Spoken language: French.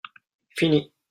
Fini